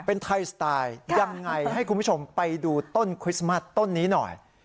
เป็นไทยสไตล์ยังไงให้คุณผู้ชมไปดูต้นคริสต์มัสต้นนี้หน่อย